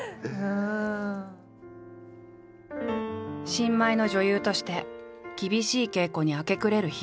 新米の女優として厳しい稽古に明け暮れる日々。